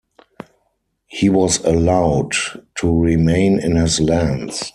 He was allowed to remain in his lands.